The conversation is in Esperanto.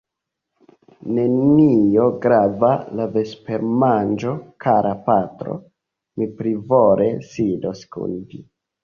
Nenio grava, la vespermanĝo, kara patro; mi plivole sidos kun vi.